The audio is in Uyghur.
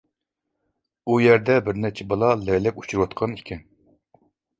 ئۇ يەردە بىر نەچچە بالا لەگلەك ئۇچۇرۇۋاتقان ئىكەن.